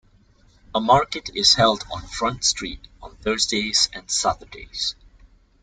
A market is held on Front Street on Thursdays and Saturdays.